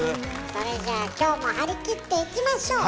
それじゃあ今日も張り切っていきましょう。